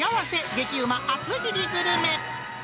激ウマ厚切りグルメ。